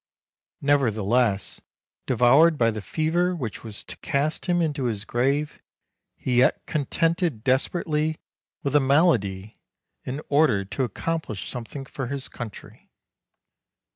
Nevertheless, devoured by the fever which was COUNT CAVOUR 201 to cast him into his grave, he yet contended desperately with the malady in order to accomplish something for his country.